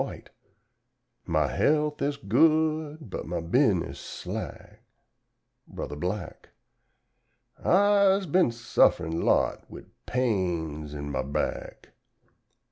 White_ "My health is good but my bus'ness slack." Bro. Black "I'se been suff'rin' lots wid pains in my back."